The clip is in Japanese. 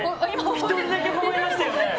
１人だけほほ笑みましたよね。